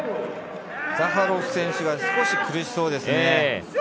ザハロフ選手が少し苦しそうですね。